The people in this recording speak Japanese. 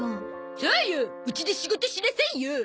そうようちで仕事しなさいよ。